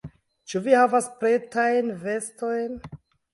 Ĉu vi havas pretajn vestojn?